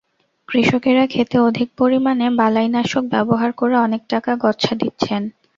কৃষকেরা খেতে অধিক পরিমাণে বালাইনাশক ব্যবহার করে অনেক টাকা গচ্চা দিচ্ছেন।